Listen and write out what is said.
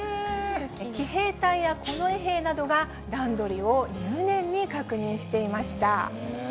騎兵隊や近衛兵などが段取りを入念に確認していました。